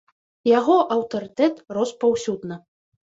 Яго аўтарытэт рос паўсюдна.